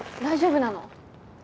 大丈夫なの？